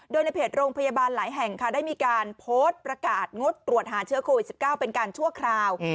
โดยในเพจโรงพยาบาลหลายแห่งค่ะได้มีการโพสต์ประกาศงดตรวจหาเชื้อโควิด๑๙เป็นการชั่วคราว